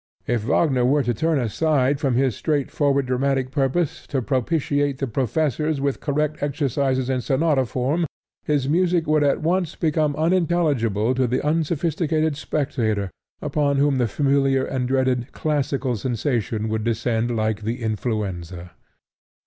If Wagner were to turn aside from his straightforward dramatic purpose to propitiate the professors with correct exercises in sonata form, his music would at once become unintelligible to the unsophisticated spectator, upon whom the familiar and dreaded "classical" sensation would descend like the influenza.